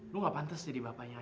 lu gak pantes jadi bapaknya ayah